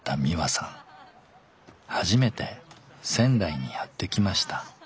初めて仙台にやって来ました。